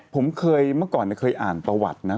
ผมเคยเมื่อก่อนเคยอ่านประวัตินะ